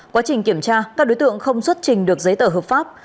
quá trình kiểm tra các đối tượng không xuất trình được giấy tờ hợp pháp